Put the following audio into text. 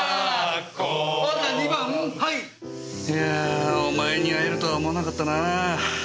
いやお前に会えるとは思わなかったなぁ。